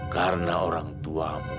karena orang tuamu